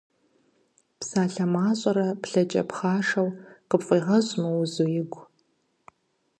Псалъэ мащӏэрэ плъэкӏэ пхъашэу, къыпфӏегъэщӏ мыузу игу.